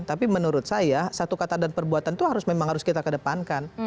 tapi menurut saya satu kata dan perbuatan itu memang harus kita kedepankan